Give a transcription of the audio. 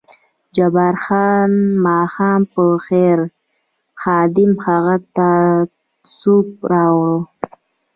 جبار خان: ماښام په خیر، خادم هغه ته سوپ راوړ.